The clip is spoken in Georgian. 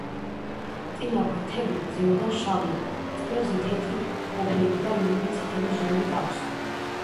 წინა ფრთები ზემოდან შავია, წვერზე თეთრი კოპლები და ირიბი წითელი ზოლი აქვს.